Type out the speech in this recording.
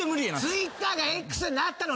ＴｗｉｔｔｅｒがＸになったの！